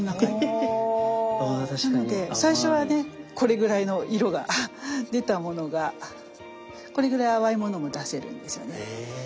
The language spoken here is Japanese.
なので最初はねこれぐらいの色が出たものがこれぐらい淡いものも出せるんですよね。